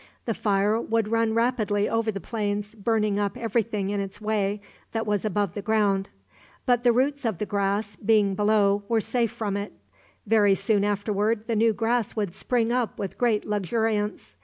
The fire would run rapidly over the plains, burning up every thing in its way that was above the ground. But the roots of the grass, being below, were safe from it. Very soon afterward the new grass would spring up with great luxuriance.